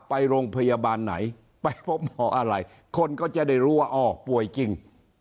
ไปโรงพยาบาลไหนไปพบหมออะไรคนก็จะได้รู้ว่าอ๋อป่วยจริง